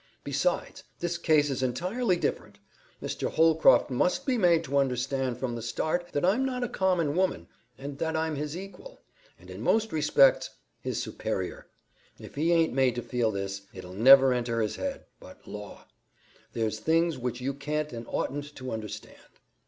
Besides, this case is entirely different. Mr. Holcroft must be made to understand from the start that I'm not a common woman that I'm his equal, and in most respects his superior. If he aint made to feel this, it'll never enter his head but law! There's things which you can't and oughtn't to understand."